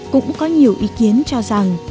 cũng có nhiều ý kiến cho rằng